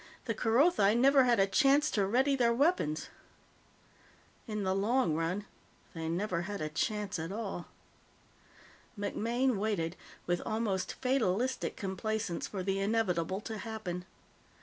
The Kerothi never had a chance to ready their weapons. In the long run, they never had a chance at all. MacMaine waited with almost fatalistic complacence for the inevitable to happen.